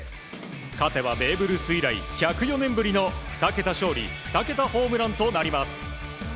勝てばベーブ・ルース以来１０４年ぶりの２桁勝利２桁ホームランとなります。